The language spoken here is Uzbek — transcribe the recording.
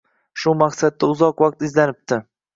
Shu maqsadida uzoq vaqt izlanibdi.